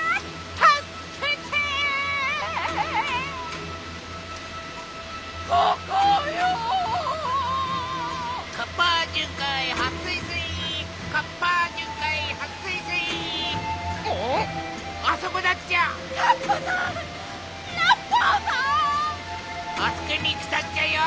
たすけにきたっちゃよ。